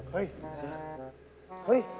เฮ้ย